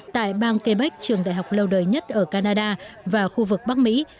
tại bang quebec trường đại học lâu đời nhất ở canada và khu vực bắc mỹ